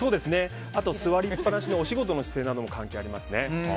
あと座りっぱなしのお仕事の姿勢も関係ありますね。